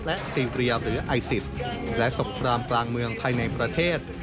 และซีเรียหรือไอซิสและสงครามกลางเมืองภายในประเทศ